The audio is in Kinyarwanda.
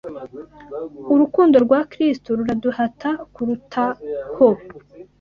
Urukundo rwa Kristo ruraduhata kurutaho